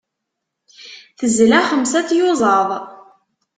Tezla xemsa n tyuẓaḍ.